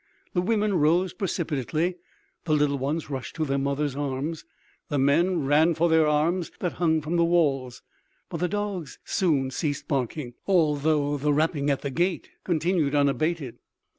The women rose precipitately, the little ones rushed to their mothers' arms, the men ran for their arms that hung from the walls. But the dogs soon ceased barking, although the rapping at the gate continued unabated.